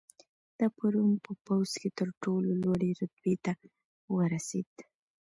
دا په روم په پوځ کې تر ټولو لوړې رتبې ته ورسېد